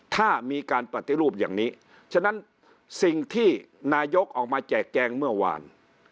ถ้ามีการปฏิรูปอย่างนี้ฉะนั้นสิ่งที่นายกออกมาแจกแจงเมื่อวาน